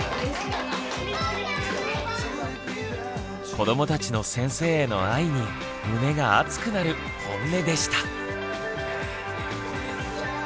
子どもたちの先生への愛に胸が熱くなるホンネでした。